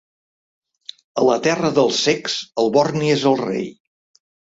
A la terra dels cecs, el borni és el rei.